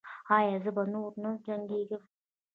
ایا زه به نور نه جنګیږم؟